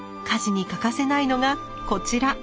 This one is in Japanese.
家事に欠かせないのがこちら。